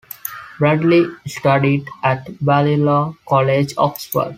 Bradley studied at Balliol College, Oxford.